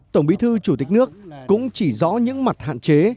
tổng bí thư chủ tịch nước cũng chỉ rõ những mặt hạn chế